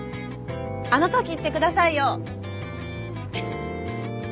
あの時言ってくださいよ。